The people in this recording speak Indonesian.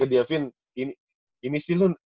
gue bilang aja juga ke devin